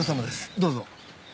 どうぞ。